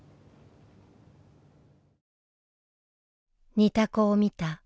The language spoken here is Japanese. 「似た子を見た」